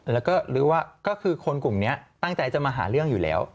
แล้วก็รู้ว่าก็คือคนกลุ่มนี้ตั้งใจจะมาหาเรื่องอยู่แล้ว